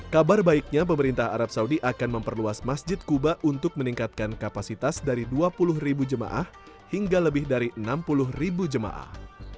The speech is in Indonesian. kabar baiknya pemerintah arab saudi akan memperluas masjid kuba untuk meningkatkan kapasitas dari dua puluh ribu jemaah hingga lebih dari enam puluh ribu jemaah